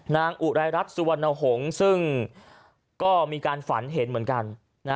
อุรายรัฐสุวรรณหงษ์ซึ่งก็มีการฝันเห็นเหมือนกัน